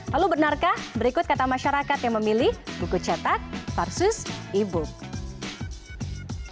lalu benarkah berikut kata masyarakat yang memilih buku cetak versus e book